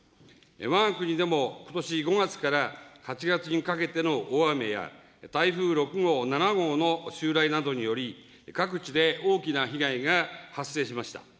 わが国でもことし５月から８月にかけての大雨や、台風６号、７号の襲来などにより、各地で大きな被害が発生しました。